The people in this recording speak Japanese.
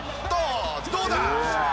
どうだ！